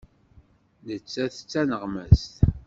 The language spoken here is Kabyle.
Nettat d taneɣmast.